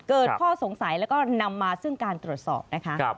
เกิดข้อสงสัยแล้วก็นำมาซึ่งการตรวจสอบนะคะ